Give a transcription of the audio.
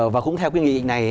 và cũng theo nghị định này